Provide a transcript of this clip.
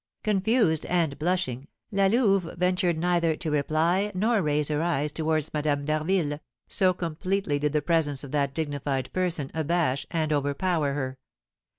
Confused and blushing, La Louve ventured neither to reply nor raise her eyes towards Madame d'Harville, so completely did the presence of that dignified person abash and overpower her.